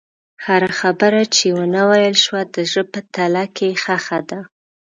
هره خبره چې ونه ویل شوه، د زړه په تله کې ښخ ده.